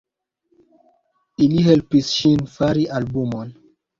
Ili helpis ŝin fari albumon.